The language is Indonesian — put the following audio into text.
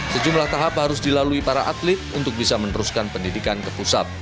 sejumlah tahap harus dilalui para atlet untuk bisa meneruskan pendidikan ke pusat